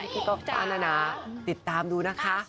พี่ก็กล้านะติดตามดูนะค่ะ